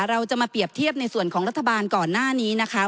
เราจะมาเปรียบเทียบในส่วนของรัฐบาลก่อนหน้านี้นะคะ